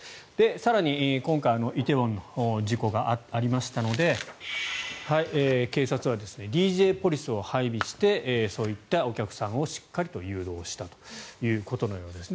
更に今回梨泰院の事故がありましたので警察はＤＪポリスを配備してそういったお客さんをしっかりと誘導したということのようです。